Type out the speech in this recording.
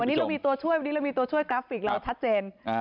วันนี้เรามีตัวช่วยกราฟิกเราทัชเจน